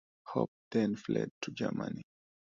Hopp then fled to Germany.